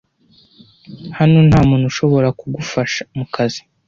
Hano nta muntu ushobora kugufasha mukazi.